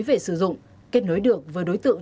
về sử dụng kết nối được với đối tượng